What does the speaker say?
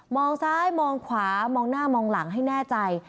ซ้ายมองขวามองหน้ามองหลังให้แน่ใจ